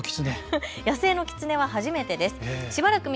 野生のキツネは初めてです。